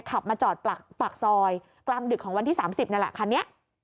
ขับมาจอดปากซอยกลางดึกของวันที่๓๐นั่นแหละคันนี้